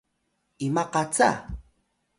ima qaca?